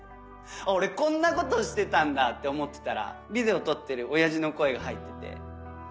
俺こんなことしてたんだって思ってたらビデオ撮ってる親父の声が入ってて。